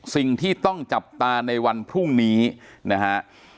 สิ่งที่ต้องจับตาในวันพรุ่งนี้นะฮะ